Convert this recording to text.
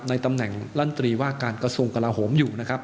ตำแหน่งลั่นตรีว่าการกระทรวงกลาโหมอยู่นะครับ